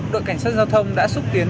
đội cảnh sát giao thông đã xúc tiến